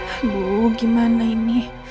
aduh gimana ini